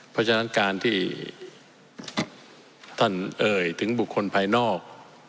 เพราะฉะนั้นการที่ท่านเอ่ยถึงบุคคลภายนอก